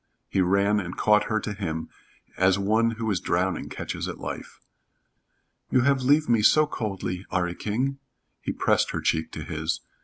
He ran and caught her to him, as one who is drowning catches at life. "You have leave me so coldly, 'Arry King." He pressed her cheek to his.